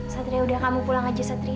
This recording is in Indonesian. setriah udah kamu pulang aja setriah